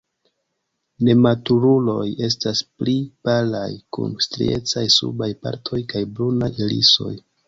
Nematuruloj estas pli palaj, kun striecaj subaj partoj kaj brunaj irisoj.